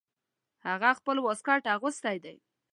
هغه خپل واسکټ اغوستی ده